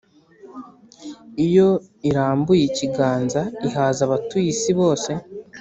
Iyo irambuye ikiganza ihaza abatuye isi bose